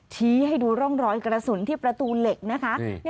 ชี้ให้ดูร่องรอยกระสุนที่ประตูเหล็กนะคะ